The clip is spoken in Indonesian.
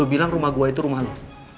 lo bilang rumah gue itu rumah lo